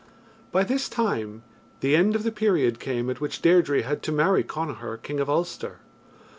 By this time the end of the period came at which Deirdre had to marry Connachar, King of Ulster.